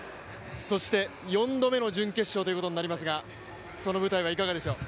そして４度目の準決勝ということになりましたがその舞台はいかがでしょう。